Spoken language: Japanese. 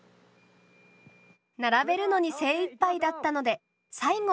並べるのに精いっぱいだったので最後は人が倒します。